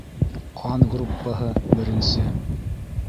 Ҡан группаһы - беренсе.